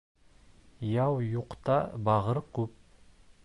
Яу юҡта бағыр күп